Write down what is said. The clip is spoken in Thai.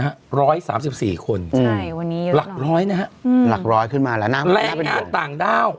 ใช่วันนี้เยอะกว่าหลักร้อยนะฮะหลักร้อยขึ้นมาแล้วและงานต่างดาว